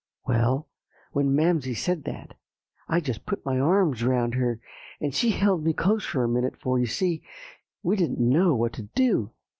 Well, when Mamsie said that, I just put my arms around her, and she held me close for a minute, for, you see, we didn't know what to do.